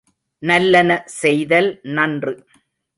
நல்லன செய்தல் நன்று.